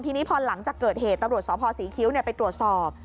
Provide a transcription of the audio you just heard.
ทีนี้พอหลังจากเกิดเหตุตำรวจสพศรีคิ้วไปตรวจสอบ